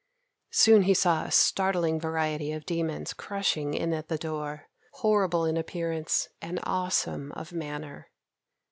Soon he saw a startling variety of demons crushing in at the door, horrible in appearance and awesome of manner.